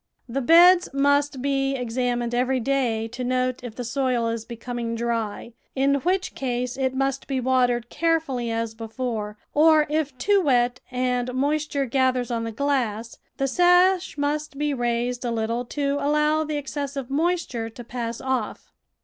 The beds must be examined every day to note if the soil is becoming dry, in which case it must be watered carefully as before, or if too wet and moisture gathers on the glass, the sash must be raised a little to allow the exces sive moisture to pass off.